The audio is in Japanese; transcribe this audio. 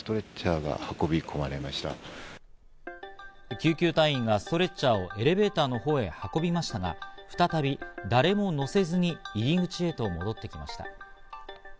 救急隊員がストレッチャーをエレベーターのほうへ運びましたが、再び誰も乗せずに入り口へと戻ってきました。